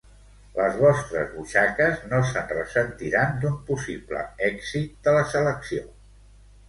Les vostres butxaques no se'n ressentiran d'un possible èxit de la selecció.